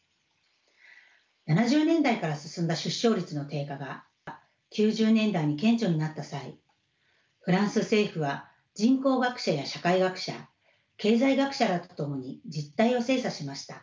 ７０年代から進んだ出生率の低下が９０年代に顕著になった際フランス政府は人口学者や社会学者経済学者らと共に実態を精査しました。